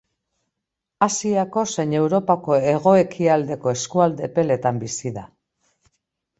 Asiako zein Europako hego-ekialdeko eskualde epeletan bizi da.